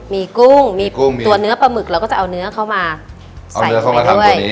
มีกุ้งมีกุ้งมีตัวเนื้อปลาหมึกเราก็จะเอาเนื้อเข้ามาเอาเนื้อเข้ามาทำตัวนี้